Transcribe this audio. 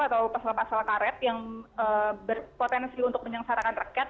atau pasal pasal karet yang berpotensi untuk menyengsarakan rakyat